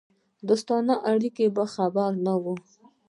دوستانه اړیکو به خبر نه وو.